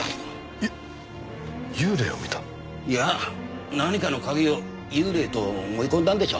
いや何かの影を幽霊と思い込んだんでしょう。